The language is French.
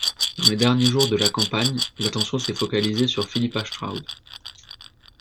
Dans les derniers jours de la campagne, l'attention s'est focalisée sur Philippa Stroud.